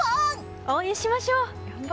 応援しましょう！